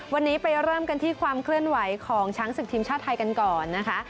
วันนี้ไปเริ่มกันที่ความเคลื่อนไหวของช้างศึกทีมชาติไทยกันก่อนนะคะ